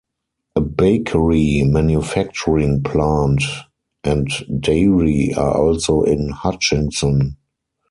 A bakery manufacturing plant and dairy are also in Hutchinson.